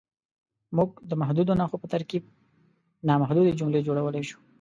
موږ د محدودو نښو په ترکیب نامحدودې جملې جوړولی شو.